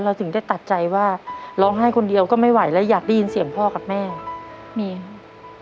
ถึงได้ตัดใจว่าร้องไห้คนเดียวก็ไม่ไหวและอยากได้ยินเสียงพ่อกับแม่มีครับ